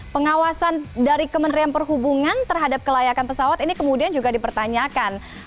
pengawasan dari kementerian perhubungan terhadap kelayakan pesawat ini kemudian juga dipertanyakan